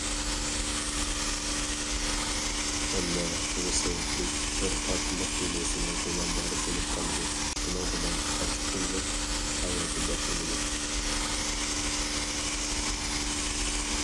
ئەمما بۇ سەۋەبلىك بىر قاتىللىق دېلوسىنىڭ گۇماندارى بولۇپ قالىدۇ، شۇنىڭ بىلەن قاچقۇنلۇق ھاياتى باشلىنىدۇ.